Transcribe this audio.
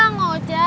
udah bang ocak